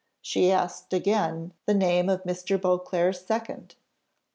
She asked again the name of Mr. Beauclerc's second?